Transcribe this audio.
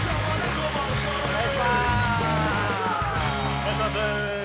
お願いします。